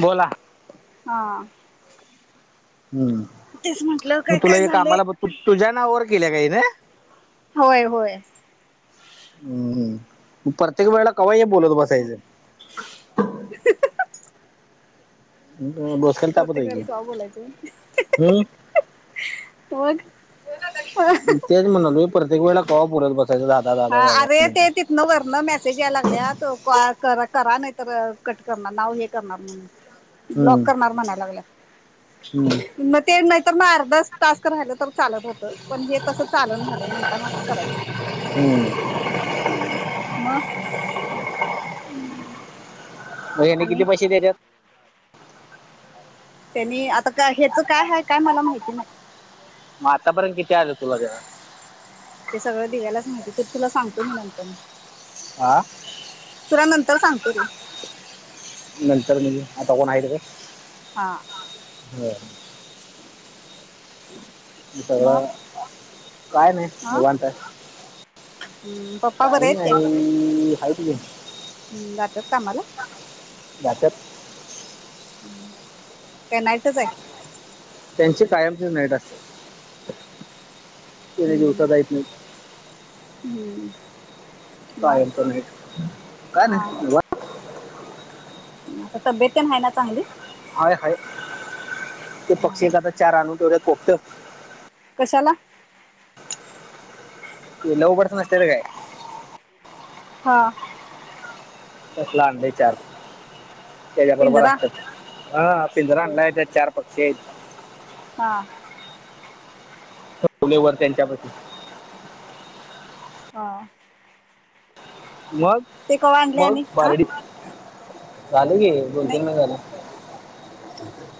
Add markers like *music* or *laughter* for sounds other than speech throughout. बोला हा. तेच म्हंटलं मग काय तुला काय हे झालंय. कामाला पण तुझ्या नावावर केल्या का हीन? होय होय. ह ह प्रत्येक वेळला कवा हे. बोलत बसायचं. अं, डोसक्याला तापत आहे प्रत्येकावर की कवा बोलायचं? हं? मग तेच म्हणालोय परतेक वेळेला कवा बोलत बसायचं. दादा दादा हा दादा अरे ते तिथनं वरण मेसेज या लागल्यात *inaudible* करा करा नाही तर कट करणार नाव हे करणार म्हण हम्म. ब्लॉक करणार म्हणाय लागला हं. म ना तर म अर्धास टास्क राहिलं तर चालत होतं पण हे तसं चालून झाले म्हणता ना करायच पन म मग यांनी आणि किती पैसे देतात त्यांनी आता का ह्याच काय आहे काय मला माहिती नाही मग आता पण किती आलं तुला जव ते सगळं दिवा्यालाच माहिती तर तुला सांगतो मी नंतर म आं तरा नंतर सांगतो र नंतर म्हणजे आता कोण हीत हा हो मग सगळं काय नाही हा निवांत हम्म पप्पा बर काही आहेत ते नाही आहे तुझे हम् जातात काम्हाला जात्यात त्यांटच आहे त्यांची कायमची नाईट असते ह त दिवसा जात नाहीत हम्म मग कायंत नाहीट काय ना हा आता तब्येत नाही आहे ना चांगली हाय हय ते हा पक्षी एता चार आनूढे कोकते कशाला लव बङॅ नसल्यात काय हा तसल आणलय चार त्याच्या बरोबर पिंजरा असतात हा पिंजरा होय. आणला आहे चार पक्षी आहेत हा ठवले व त्यांच्यापती हा मग ते कवा आणलय मग आणि अ बारडी झालं की दोन नाही. तीन महिने झालं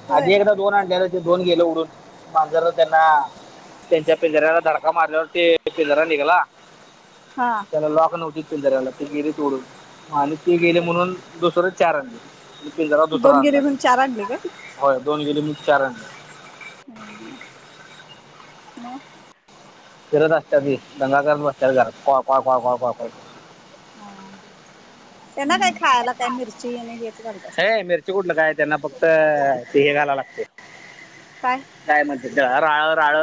होय आधी एकदा दोन आणलेल्या ते दोन गेल उडून मांजरला त्यांना त्यांच्या पिंजाऱ्याला धडका मारल्यावर ते पिंजरा निघला. हा त्याला लॉक नव्हती. ते गेले तोडून आणि ते गेले म्हणून दुसर चार आणल आणि पिजरा दुसरा दोन आणला. गिरीहून त्याला. चार आणले होय दोन गेले म्हणून चारा आणले. हं म फिरत असत्या की दंगा करात बसतात घरात कॉय, कॉय, कॉय, कॉय, कॉय हा त्यांना काय खायला काय मिरची आणि हेच घालत असत हे मिरची कुठलं काय त्यांना फक्त ते हे खायला लागतय काय म्हणत्यात ते राळ राळ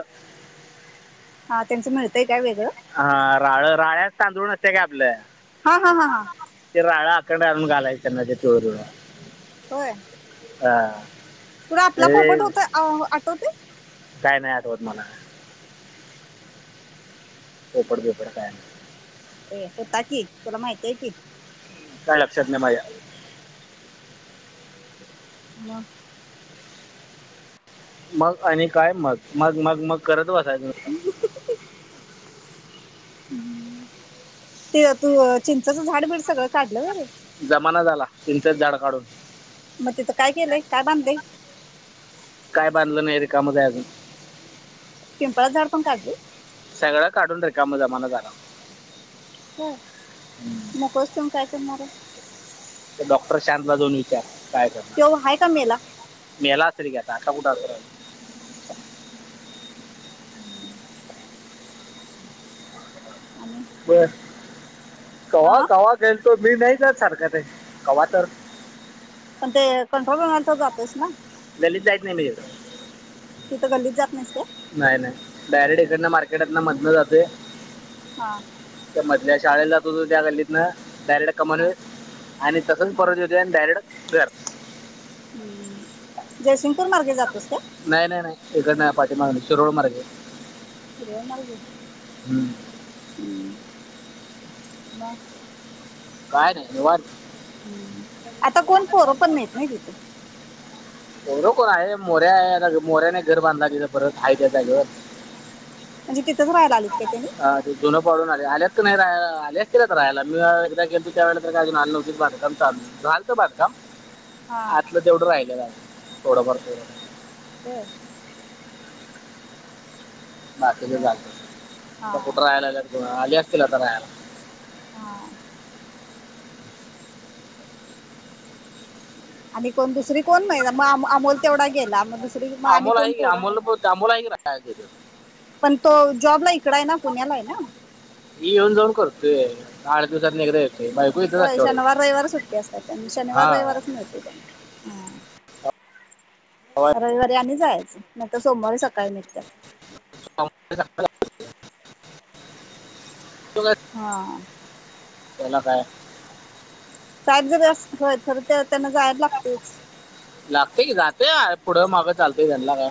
हा त्यांचं मिळतंय का वेगळं हा राळ राळ्याच तांदूळ नसत्या काय आपलं हा हा हा हा ते राळा ते डाळून घालायचं ना *unintelligible* होय. हा तुला आपला पोपट होत आ आठवतय? काय नाय आठवत मला पोपट बिपट काय नाय ए होता की तुला माहती आहे की, काय लक्षात नाय माझ्या. मग मग आणि काय मग मग मग मग करत बसायचं नुसतं ते तू चिंचच झाड बिड सगळं काढलं व्हय रे. जमाना झाला चिचेंच झाड काढून. मग तिथं काय केलंय काय बांधलय.? काय बांधलं नाय रिकामच आहे अजून पिंपळाचं झाड पण काढलय. सगळं काढून रिकाम जमाना झाला. व्हय मोकळचं ठेवून काय करणार आहे. ते डॉक्टर शांत ला जाऊन विचार काय करणार, तो आहे का मेला मेला असल कि आ, आता कुठ असणा *unintelligible* हम्म आणि बरं कवा हा कवा खेलतो मी नाही सारखं ते कव्हा तर, पण ते कंट्रोल व्हायला तर जातोस ना? गल्लीत जाईत नाही मी एवढ त्या गल्तीत जात नाहीस काय? नाय नाय डायरेक्ट इकडन मार्केटात ना मधन जातोय. हा त्या मधल्या शाळेला जात होतो त्या गल्लीतनं डायरेक्ट कमान हां आणि तसंच हां परत येतोय आणि डायरेक्ट घर. हम्म जयसिंगपूर मार्गे जातोस काय? नाय नाय नाय इकडं ना पाठीमागणं शिरोळ मार्गे शिरोळ मार्गे हम्म मग काय नाय निवांत. हम्म. आता कोण पोरं पण नाहीत नाही तिथं पोर कोन नाही. मोर्या आहे आता मोऱ्याने घर बांधा तिथ परत हाय त्या जागेवर. म्हणजे तिथंच राहायला आलीत काय त्याने हा ते दोन पडून आले आल्यात. नाही राहाय आल्याच के तर राहायला मी एकदा गेल त त्या वेळे त काय अजून आलं नव्हतीत बांधकाम चाल रालत बांधकाम. हा आतलं तेवढं राहिलं का थोडंफारत. हो की मग हा कुठं राहायला आली असतील आता राहायला, हा आणि कोण दुसरी कोण नाही मग अमोल तेवढा गेला मग, दुसरी मग आणि अमोलला कोण आहे पोरं आमोल, आहेत राहायला तिथं. पण तो जॉबला इकड आहे ना पुण्याला आहे ना? ही येऊन जाऊन करतोय आठ दिवसात एकदा येतोय. बायको इथंच होय असते एवढं शनिवार रविवारच सुट्टी असतात त्यांना शनिवार हा रविवारच मिळते त्यांना. ह रविवारी आणि जायचं नाहीतर सोमवारी सकाळी निघतात. हम हम. हा तेला काय. सा जरी अस हो खर त्यांना जायला लागतेच लागते की जाते पुढं मागं चालतय त्यांना काय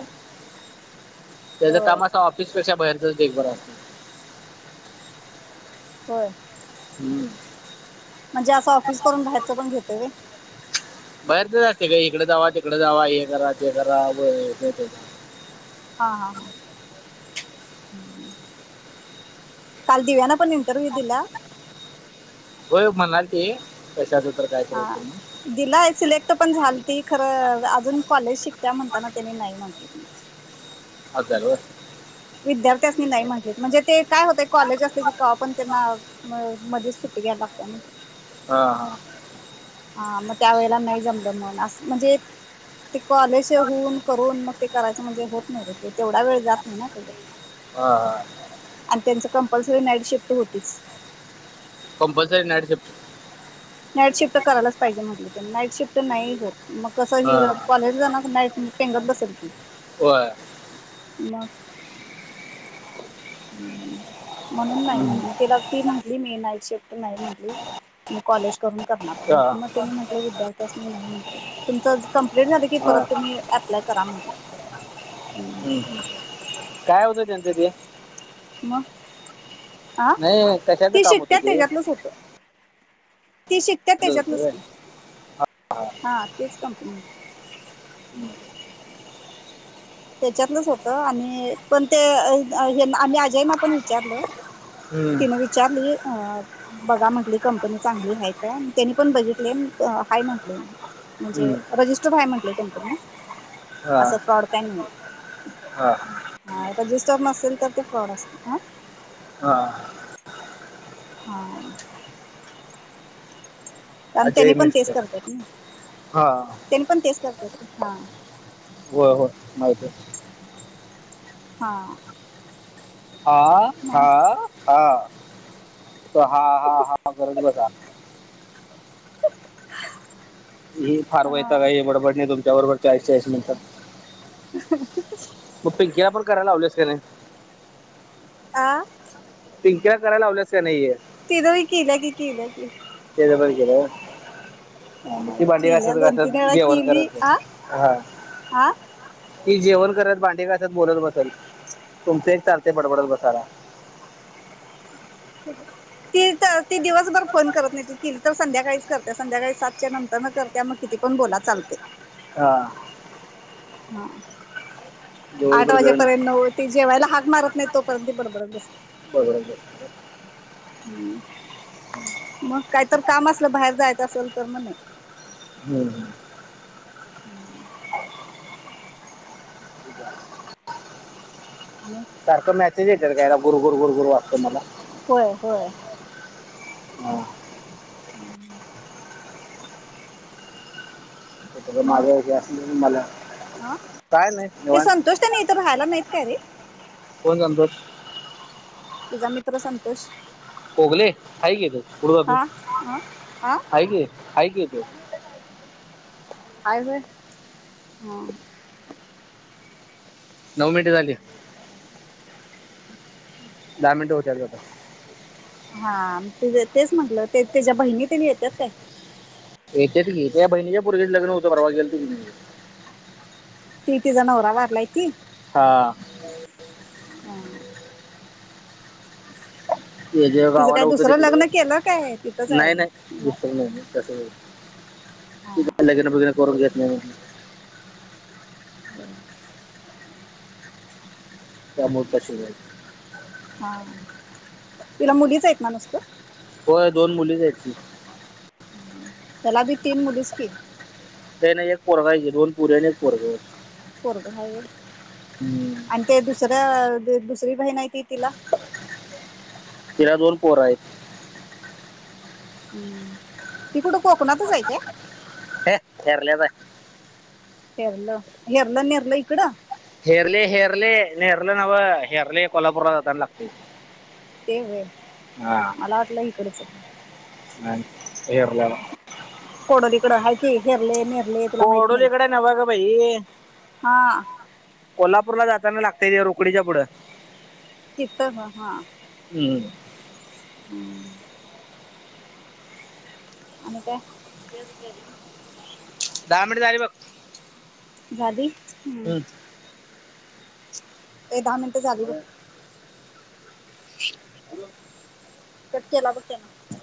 त्याचा होय कामा असा ऑफिसपेक्षा बाहेरचच एक बरा होय हम्म म्हणजे असं ऑफिस करून बाहेरचं पण घेतोय बाहेर तेते का इकडे जावा तिकडे जावा हे करा ते करा हा हा हा हम्म काल दिव्याना पण इंटरव्ह्यू दिला होय म्हणालती हा दिला अससले पण झाली ती खरं अजून कॉलेज शिकत म्हणताना त्यांनी नाही म्हटली अल विद्यार्थी असनी नाही म्हटले म्हणजे ते काय होते कॉलेज असते की का पण त्यांना मध्ये सुट घ बापांने हा हा हा मग त्या वेळेला नाही जमलं म्हण अस म्हणजे ते कॉलेज होऊन करून मग ते करायचं म्हणजे होत नाही र ते तेवढा वेळ जात नाही ना ते हा हा त्यां कंपल्सरी नाईट शिफ्ट होतीच कंपलसरी नाहीडीचप नाईट शिफ्ट करायलाच पाहिजे म्हटलं ते नाईट शिफ्ट नाही होत मग कस ह कॉलेज पिंगत बसलकी व ला ह म्हणून नाही म्हण त्याला ती म्हंटली मी नाईट शफ्ट नाही म्हटली मी कॉलेज करून करणार आहे मग त्यांनी म्हटलं विद्यार्थ्यास मी नाही म्हट तुमच की परत तुम्ही अप्लाय करा म्हण ह् काय होत त्यांचं ते मग हा नाही कशाचं ती काम होतं शिक्ट्यात ते त्याच्यातलंच होत ती शिकत त्याच्यात नसती हा तेच कंपनी होती त्याच्यातलंच होत आणि पण ते आम्ही अजयना पण विचारलं तिनं विचारली अ बघा म्हटली कंपनी चांगली ह काय त्यांनी पण बघितले हाय म्हटले म्हणजे रिस्टर म्ह कंपनी अस फ्रॉड *inaudible* हा रजिस्टॉर नसेल तर ते फॉड अस ह ह हा कार अजय त्यांनी पण तेच मिस्टर करतात ना हा त्यानी पण तेच करत हा हो हो माहित आहे हा हा हा मग हा तर हा हा हा गरज बजा ह फार व्हाता काय हे बडबडणी तुमच्या बरोबर चाळीस चाळीस नंतर *inaudible* मग पिंकीला पण करायला लावलेस काने आह पिंकीला कराय लावल्यास का नाहीे तिदो ह क लय क क लै क केर ती भांडी केल्या घसत दोन कस तीन वेळा जेवण केली करत आ हा आ की जेवण करत भांडे घसत बोलत बसल तुमचे एक चालते पडबडत बसाय *inaudible* ती तर ती दिवसभर फोन करत नाहीतील तर संध्याकाळीच करते संध्याकाळी सातच्या नंतर करत मग किती पण बोला चालत हा ह आठ दिवसभर वेळ नाही वाजेपर्यंत ते जेवायला हा मारत नाही तोपर्यंत बडबडत बसत हो हम् मग काहीत काम असलं बाहेर जायचं असेल तर म नाही हम्म हम्म आणि सारखं मेसेज येतर कायला गुरगुर गुरगुर वाटतं मला होय होय हा हम्म ते सगळं मग माझं हे असलं मला हा काय नाही ते निवांत संतोष त्यांनी तरर राहायला नाही का कोण जातो तुझा मित्र संतोष कोगले हाय की तू पुढं जातो हा हा आा हाय की हाय की तू अऐवे हम् नऊ मिनट झाली दहा मिनटं उचारत होता हा तेच म्हटलं ते त्याच्या बहिणी तने येतात काय येतेच घ या बहिणीच्या पुरगेच लग्न होतं परवा गेल त तिीती जण होरा मारलाय त हा ह हे जे तिचं काय गावाला होतं दुसरं तिकडं लग्न केलं काय तिथंच आहे नाही नाही अजून दुसत नाहीस हा लन कोर घेत हम्म त्यामूता श हा तिला मुलीच आहेत ना नुसतं होय दोन मुलीच आहेत ती चलाभी तीन मुलीस की काही नाही एक पोरगायचे दोन पुरी आणि एक पोरग पुरग हा हम्म दुसऱ्या दुसरी बाही नाहीती तिला तिरा दन पोर आहे. हम्म ती कुठं कोकणातच जायचंय- ह केरलेता हरलं हेरलं नेरलं इकडं हेरले हेरले नेहरलं नवं हेरले कोल्हापूरात जाताना लागते ते वय मला वाटलं इकडचं हरल्याला कोडोरीकडं हाती हेरले न कोडोलीकडे नव ग भाई हा कोल्हापूर पूरला जाताना लागत रोकडीच्या पुढं तिथं हा. हम्म. हम्म. आणि काय? दहा मिनिट झाली बघ झाली हम्म ए दहा मिनिटं झाली बघ. कट केला ब त्यानं.